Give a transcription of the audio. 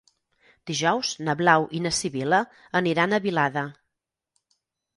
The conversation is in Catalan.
Dijous na Blau i na Sibil·la aniran a Vilada.